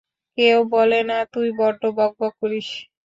কেউ বলে না তুই বড্ড বকবক করিস?